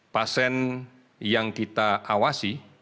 pasien yang kita awasi